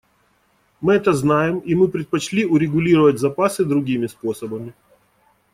Мы это знаем, и мы предпочли урегулировать запасы другими способами.